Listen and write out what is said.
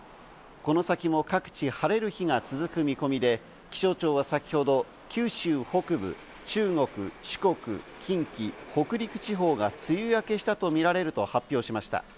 この先も各地、晴れる日が続く見込みで、気象庁は先ほど九州北部、中国、四国、近畿、北陸地方が梅雨明けしたとみられると発表しました。